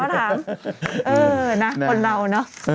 เออนะคนเราเนอะ